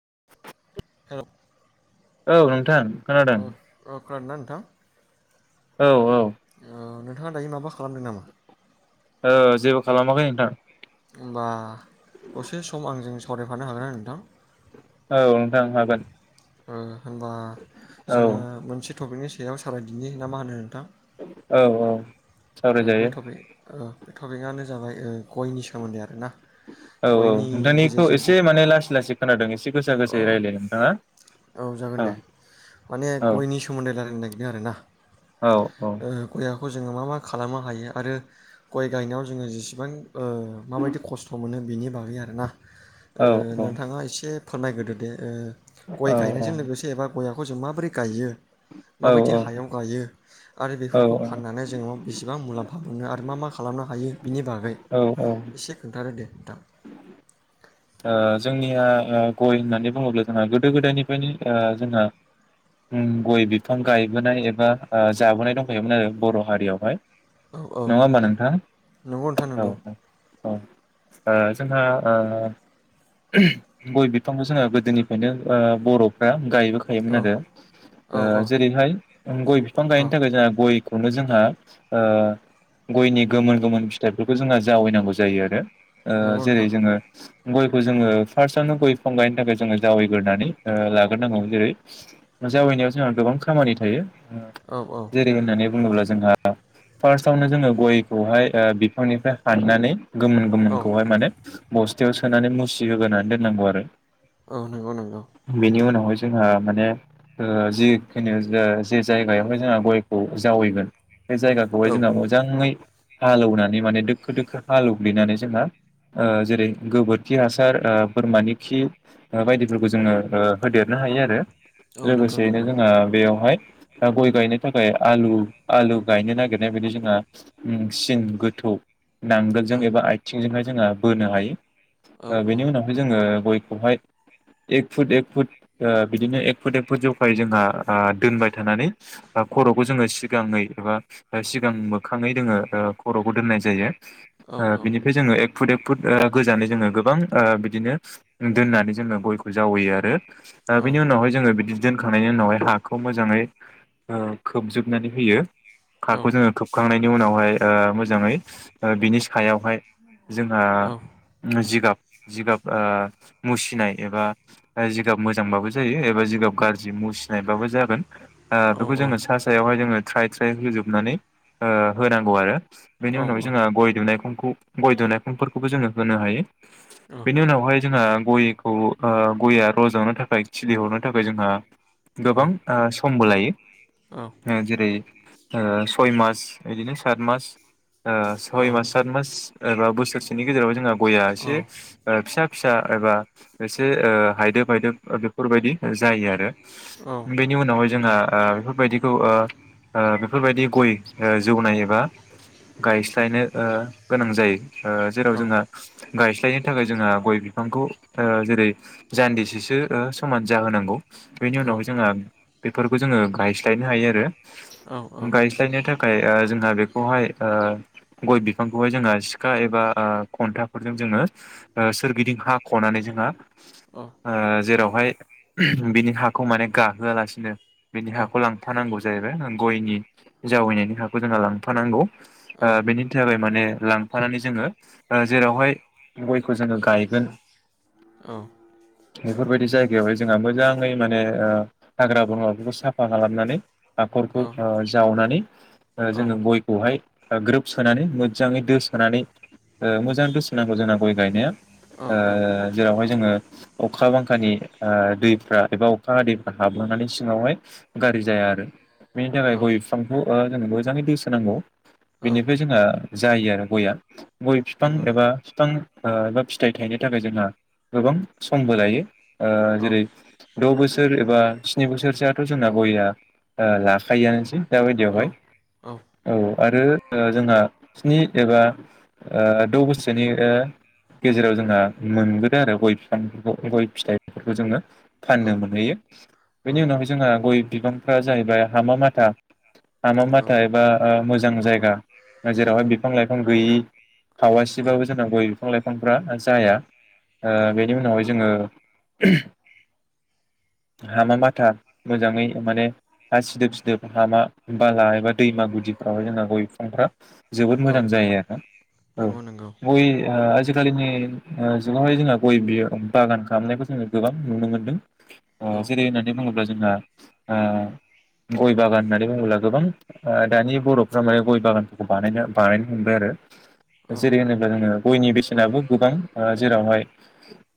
[inaudible] औ औ नोंथां खोनादों खोनादों ना नोंथां? औ औ ओ नोंथाङा दायो माबा खालामदों नामा? ओ जेबो खालामाखै नोंथां। होमबा दसे सम आंजों सावरायफानो हागोन ना नोंथां? औ नोंथां हागोन ओ होनबा औ जोङो मोनसे टपिकनि सायाव सावराय दिनि ना मा होनो नोंथां औ औ ओ बे सावरायजायो टपिक ओ टपिकआनो जाबाय ओ गय सोमोन्दै आरो ना। औ औ गयनि नोंथांनिखौ गेजेरजों एसे जों माने लासै लासै खोनादों एसे गोसा अ गोसायै रायलाय नोंथाङा औ जागोन दे माने औ गयनि सोमोन्दैनो रायलायनो नागिरदों आरोना। औ ओ गया खौ जोङो मा मा खालामनो हायो आरो गय गायनायाव जोङो जेसेबां ओ माबायदि खस्थ' मोनो बिनि बागै आरो ना ओ औ औ नोंथाङा एसे फोरमायग्रोदो दे ओ गय औ गायनायजों लोगोसे एबा गयाव गयजों मा बोरै गायो औ माबायदि हायाव गायो। आरो औ बेफोरखौ फाननानै जोङो बेसेबां मुलाम्फा मोनो आरो मा मा। खालामनो हायो बिनि बागै औ औ ओ एसे खोन्थादो दे नोंथां। जोंनिया गय होननानै बुङोब्ला जोंहा गोदो गोदायनिफ्रायनो जोंहा गय बिफां गायबोनाय एबा जाबोनाय दंखायोमोन आरो बर' हारियावहाय औ औ नङा होमबा नोंथां नंगौ नोंथां औ नंगौ औ औ। जोंहा गय बिफांखो जोङो गोदोनिफ्रायनो बर'फ्रा गायबोखायोमोन औ आरो औ औ जेरैहाय गय बिफां औ गायनो थाखाय जोंहा गय खौनो जोंहा गयनि गोमोन गोमोन फिथाइफोरखौ जोंहा जावायनांगौ जायो आरो। नंगौ जेरै नोंथां जोङो गयखौ जोङो फार्स्टआवनो गय बिफां गायनो थाखाय जोङो जावैग्रोनानै लाग्रोनांगौ जेरै जावैनायाव जोंहा गोबां खामानि थायो। औ औ जेरै होननानै बुङोब्ला जोंहा फार्स्टआवनो जोङो गयखौहाय बिफांनिफ्राय हाननानै गोमोन औ गोमोनखौहाय माने बसथायाव सोनानै मुसि होग्रोनानै दोननांगौ आरो। औ नंगौ नंगौ। बेनि उनावहाय जोंहा माने जिखिनु जे जायगायावहाय जोंहा गयखौ जावैगोन बे जायगाखौहाय औ जोंङो मोजाङै हालेवनानै माने दोखो दोखो हालेवग्लिनानै जोंहा जेरै गोबोरखि हासार बोरमानि खि बायदिफोरखौ जोङो होदेरनो हायो आरो। औ नंगौ लोगोसेयैनो नंगौ जोंहा बेयावहाय दा गय गायनो थाखाय आलु आलु गायनो नागिरनाय बायदि जोंहा सिं गोथौ नांगोलजों औ एबा आथिंजोंहाय जोंहा बोनो हायो। औ बेनि उनावहाय जोङो गय। खौहाय एक फुट एक फुट बिदिनो एक फुट एक फुट जखायै जोंहा दोनबाय थानानै खर'खौ जोङो सिगाङै एबा सिगां मोखाङै जोङो खर'खौ दोननाय जायो। बिनिफ्राय जोङो ए एक फुट एक फुट गोजानै जोङो गोबां बिदिनो दोननानै जोङो गयखौ जावैयो आरो दा बेनि उनावहाय जोङो बिदिनो दोनखांनायनि उनावहाय हाखौ मोजाङै खोबजोबनानै होयो हाखौ जोङो खोबखांनायनि उनावहाय मोजाङै बिनि सायाव बेवहाय जोंहा जिगाब जिगाब ओ मुसिनाय एबा जिगाब मोजांबाबो जायो एबा जिगाब गाज्रि मुसिनायबाबो जागोन। ओ बेखौ जोङो सा सायावहाय जोङो थ्राय थ्राय होजोबनानै ओ होनांगौ आरो बिनि उनावहाय जोंहा गय दुनायखं खौ गय दुनायखंफोरखौबो जोङो होनो हायो बिनि उनावहाय जोंहा गयखौ ओ गया रजनो थाखाय खिलि हरनो थाखाय जोंहा गोबां ओ समबो लायो ओ जेरै ओ सय मास इदिनो सात मास ओ सय मास सात मास एबा बोसोरसेनि गेजेराव जोंहा गया एसे ओ फिसा फिसा एबा एसे ओ हायदोब हायदोब ओ बेफोरबायदि जायो आरो औ बिनि उनावहाय जोंहा ओ बेफोरबायदिखौ ओ बेफोरबायदि गय ओ जौनाय एबा गायस्लायनो ओ गोनां जायो। ओ जेराव जोंहा गायस्लायनो थाखाय जोंहा गय बिफांखौ ओ जेरै जान्दिसेसो ओ समान जाहोनांगौ‌। बेनि उनावहाय जोंहा बेफोरखौ जोङो गायस्लायनो हायो आरो गायस्लायनो था खाय ओ जोंहा बेखौहाय ओ गय बिफांखौहाय जोंहा सिखा एबा खन्थाफोरजों जोङो ओ सोरगिदिं हाख'नानै जोंहा ओ जेराव हयाइ बिनि हाखौ माने गाहोआलासिनो बिनि हाखौ लांफानांगौ जाहैबाय ओ गयनि जावैनायनि हाखौ जोंङो लांफानांगौ ओ बिनि थाखाय माने लां फानानै जोङो ओ जेरावहाय गयखौ जोङो गायगोन औ बेफोरबायदि जायगायावहाय जोंहा मोजाङै माने ओ हाग्रा बंग्राफोरखौ साफा खालामनानै औ हाख'रखौ ओ जावनानै ओ जोङो गयखौहाय ओ ग्रोब सोनानै मोजाङै दोसोनानै ओ मोजां दोसो नांगौ जोंना गय गायनाया ओ औ जेरावहाय जोङो अखा बांखानि ओ दैफ्रा एबा अखा हादैफ्रा हाबलांनानै सिङावहाय गाज्रि जाया आरो बेनि थाखाय गय बिफांखौ ओ जों मोजाङै दोसोनांगौ बेनिफ्राय जोंहा जायो आरो गया गय बिफां नंगौ नंगौ एबा बिफां एबा फिथाइ थायनो थाखाय जोंहा गोबां समबो लायो ओ औ जेरै द' बोसोर एबा स्नि बोसोरसोआथ' जोंना गयआ ओ लाखायोआनोसै औ दाबायदियावहाय औ आरो जोंहा ओ स्नि एबा ओ द' बोसोरनि ओ गेजेराव जोंहा मोनबोदों आरो गय बिफांफोरखौ गय फिथाइफोरखौ जोङो फाननो मोनहैयो बेनि औ उनावहाय जोंहा गय बिफांफ्रा जाहैबाय हामा माथा हामा माथा एबा ओ मोजां जायगा जेरावहाय बिफां लाइफां गैयि औ हावासेबाबो जोंना गय बिफां लाइफांफ्रा जाया ओ बेनि उनावहाय जोङो हामा माथा मोजाङै माने हा सिदोब सिदोब हामा बाला एबा दैमा गुदिफ्रावहाय जोंना गय बिफांफ्रा जोबोद औ मोजां जायो आरोना औ गय नंगौ नंगौ ओ आजिखालिनि जुगावहाय जोंहा गय बियो बागान खालामनायखौ जोङो गोबां नुनो मोनदों औ अ जेरै होननानै बुङोब्ला जोंहा ओ गय बागान होननानै बुङोब्ला गोबां दानि बर'फ्रा माने गय बागानफोरखौ बानायनो बानायनो हमबाय आरो औ जेरै होनोब्ला जोङो गयनि बेसेनाबो गोबां ओ जेरावहाय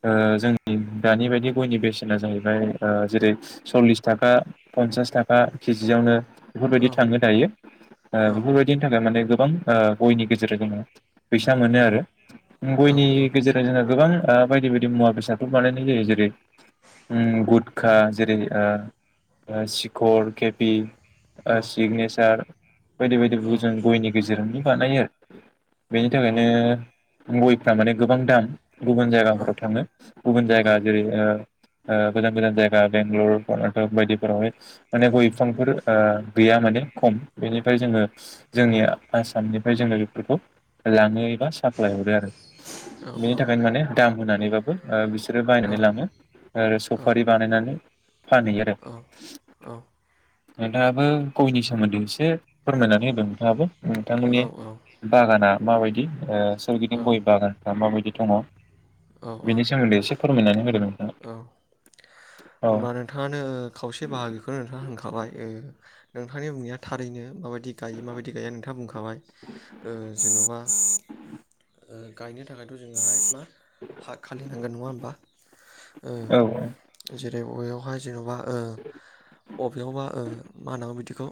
ओ जोंनि दानि बायदि गयनि बेसेना जाहैबाय ओ जेरै सल्लिस थाखा पन्सास थाखा केजियावनो औ बेफोरबायदि थांनो दायो ओ बेफोरबायदिनि थाखाय माने गोबां ओ गयनि गेजेर जोङो फैसा मोनो आरो औ गयनि गेजेराव जोंहा गोबां ओ बायदि बायदि मुवा बेसादफोर बानायनाय जायो जेरै ओम गुदखा जेरै ओ सिखर केपि ओ औ सिगनेचार बायदि बायदिखौ जों गयनि गेजेरावनो बानायो बेनि थाखायनो गयफ्रा माने गोबां दाम गुबुन जायगाफोराव थाङो गुबुन जायगा जेरै ओ ओ गोजान गोजान जायगा बेंगलर कर्नाटक बायदिफोरावहाय माने गय बिफांफोर ओ गैया माने खम बेनिफ्राय जोङो जोंनि आसामनिफ्राय जोङो फोरखौ लाङो एबा साप्लाय हरो आरो औ औ बेनि थाखायनो माने दाम होननानैबाबो ओ बि सोरो औ बायनानै लाङो आरो सफारि बानायनानै फानोहै आरो नोंथाङाबो गयनि सोमोन्दै एसे फोरमायनानै होदों नोंथाङाबो नोंथांमोननि बागाना माबायदि ओ सोरगिदिं गय बागानफ्रा माबायदि दङ' बेनि सोमोन्दै एसे फोरमायनानै होदों नोंथाङा औ होमबा नोंथाङानो खावसे बाहागोखौनो नोंथाङा होनखाबाय नोंथांनि बुंनाया थारैनो माबायदि गायो माबायदि गया नोंथाङा बुंखाबाय जेन'बा गायनो थाखायथ' जोङो हाय मा हा खालिनांगोन नङा होमबा औ जो जे बेवहाय जेन'बा अबेयावबा मा होनांगौ बिदिखौ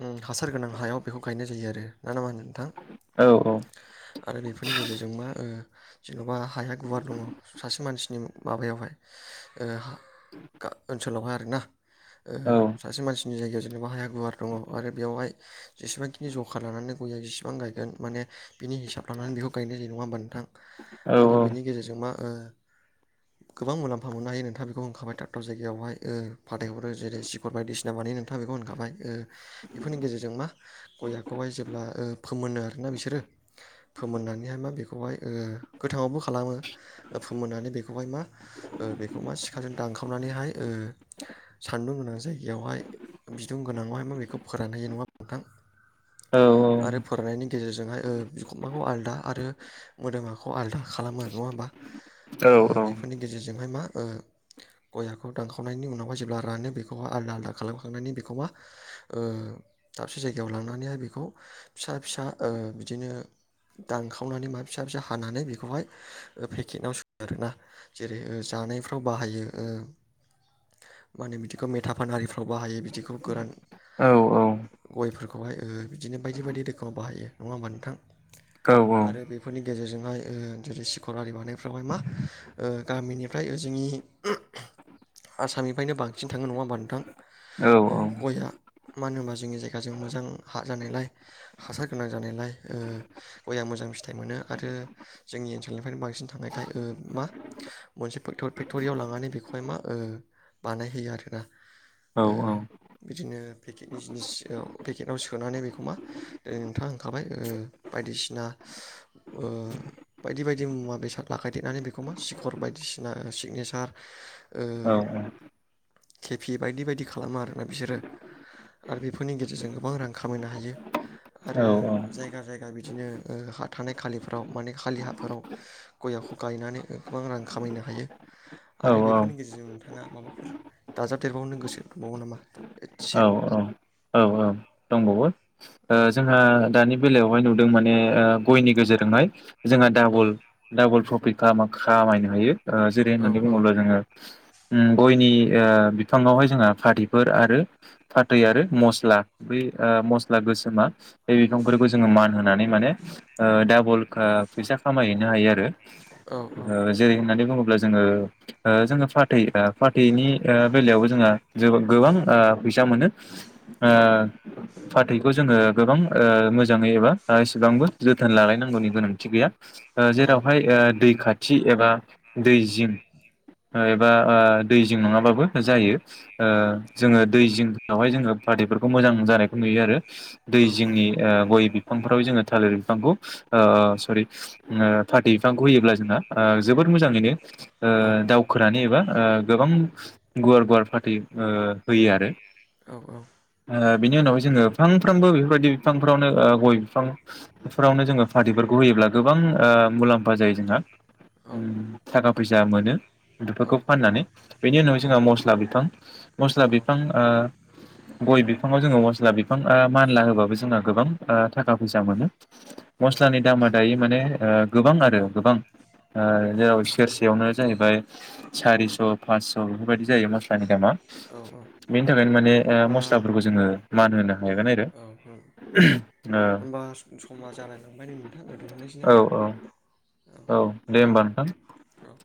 उम हासार गोनां हायाव बेखौ गायनाय जायो आरो ना नङा नोंथां औ आरो बेफोरनि गेजेरजों मा ओ जेन'बा हाया गुवार दङ सासे मानसिनि माबायावहाय ओनसोलावहाय आरोना ओहो औ सासे मानसिनि जायगाया जेनबा हाया गुवार दङ आरो बेवहाय जेबांखिनि जखा लानानै गया फां गायगोन माने बिनि हिसाब लानानै बेखौ गायनाय जायो नङा होमबा नोंथां औ आरो बिनि गेजेरजों मा ओं गोबां मुलाम्फा मोननो हायो नोंथां बेखौ होनखाबाय दा जायगायावहाय ओ फाथायहरो जेरै सिखर बायदिसिना बानायो नोंथाङा बेखौ होनखाबाय बेफोरनि गेजेरजों मा गयाखौहाय जेब्ला ओ फोमोनो आरो ना बिसोरो फोमोननानैहाय मा बेखौहाय ओ गोथाङावबो खालामो फोमोननानै बेखौहाय मा ओ बेखौ मा सिखाजों दानखा खावनानैहाय ओ सान्दुं गोनां जायगायावहाय बिदुं गोनांङावहाय मा बुङो बेखौ फोरानहैयो नङा नोंथां औ आरो फोराननायनि गेजेरजोंहाय ओं बिखुमाखौ आलदा आरो मोदोमाखौ आलदा खालामो आरो नङा होमबा औ ओ बेफोरनि गेजेरजोंहाय मा ओ गयाखौ दानखावनायनि उनावहाय जेब्ला रानो बेखौहाय आलदा आलदा खालामखांनानै बेखौहा ओ दाबसे जायगायाव लांनानैहाय बेखौ फिसा फिसा ओ बिदिनो दानखावनानै माबा फिसा फिसा हानानै बेखौहाय पेकेटाव जेरै जानायफ्राव बाहायो ओ मा होनो बिदिखौ मेथा फानारिफ्राव बाहायो बिदिखौ गोरान औ औ गयफोरखौहाय ओ बिदिनो बायदि बायदि रोखोमाव बाहायो नङा होमबा नोंथां आरो बेफोरनि गेजेरजोंहाय ओ जेरै सिखर आरि बानायफ्रावहाय मा ओ गामिनिफ्राय जोंनि आसामनिफ्रायनो बांसिन थाङो नङा होमबा नोंथां ओ गयआ मानो होनबा जोंनि जायगाजों मोजां हा जानायलाय हासार गोनां जानायलाय ओ गया मोजां फिथाइ मोनो आरो जोंनि ओनसोलनिफ्रायनो बांसिन थांनायखाय मा मोनसे फेक्ट'रियाव लांनानै बेखौ बेहाय मा ओ बानायहैयो आरोना ओ बिदिनो पेकेटनि जिनिसयाव पेकेटाव सोनानै बेखौ मा दिनै नोंथाङा होनखाबाय बायदिसिना ओ बायदि बायदि मुवा बेसाद लागायदेरनानै बेखौ मा सिखर बायदिसिना सिगनेसार ओ खेफि बायदि बायदि खालामो आरो बिसोरो आरो बेफोरनि गेजेरजों गोबां रां खामायनो हायो आरो जायगा जायगा बिदिनो ओ हा थानाय खालिफोराव माने खालि हाफोराव गयाखौ गायनानै गोबां रां खामायनो हायो आरो बे बेफोरनि गेजेरजों नोंथाङा माबाफोर दाजाबदेरबावनो गोसो दंबावो नामा एसे औ औ औ दंबावो ओ औ जोंहा दानि बेलायावहाय नुदों माने ओ गयनि गेजेरजोंहाय जोंहा औ डाबल डाबल फ्रफिट कामा खामायनो हायो ओ जेरै औ होननानै बुङोब्ला औ जोङो उम गयनि आ बिफांङावहाय जोंङो फाथैफोर आरो फाथै आरो मस्ला बै ओ मस्ला गोसो बे बिफांफोरखौ जोङो मान होनानै माने डाबलखा फैसा खामायहैनो हायो आरो। औ औ ओ जेरै होननानै बुङो ब्ला जोङो ओ जोङो फाथै ओ फा बेनि आ बेलायावबो जोंहा जोब गोबां ओ फैसा मोनो। ओ औ फाथै बेखौ जोङो गोबां मोजाङै एबा एसेबांबो जोथोन लालायनांगौनि गोनांथि गैया। नंगौ जेरावहाय दै खाथ थि एबा दै जिं एबा दै जिं नङाबाबो जायो जोङो दै जिंङावहाय जोङो फाथैफोरखौ मोजां जानायखौ नुयो आरो। दै औ औ जिंनि ओ गय बिफांफोराव जोङो थालिर बिफांखौ सरि फाथै बिफांखौ होयोब्ला जोंना जोबोर मोजाङैनो ओ औ दावखोनानै एबा ओ गोबां गुवार गुवार फाथै ओ होयो आरो। औ औ ओ बिनि उनावहाय जोङो फांफ्रोमबो बेफोरबायदि बिफांफोरावनो गय बिफांफोरावनो जोङो फाथैफोरखौ होयोब्ला गोबां मुलाम्फा जायो जोंहा। उम [unintelligible] फैसा मोनो औ बेफोरखौ फाननानै बेनि उनाव जोंहा मस्ला बिफां मस्ला बिफां ओ गय बिफाङाव जोङो मस्ला बि फां ओ मानला होबाबो जोंना गोबां थाखा फैसा मोनो मस्लानि दामा दायो माने गोबां आरो गोबां जेराव सेरसेयावनो जाहैबाय सारिस' फासस' बेफोरबायदि जायो मस्लानि दामा‌। औ औ बेनि थाखायनो माने होनबा मस्लाफोरखौ जोङो मान होनो। हागोन आरो औ ओ होनोमबा समा जालायलांबाय नै नोंथां दोनथनोसै औ नामा। औ दे होमबा नोंथां औ